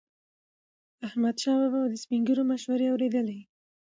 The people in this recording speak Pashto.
احمدشاه بابا به د سپین ږیرو مشورې اورېدلي.